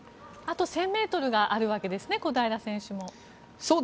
あと１０００ｍがあるわけですね、小平選手も。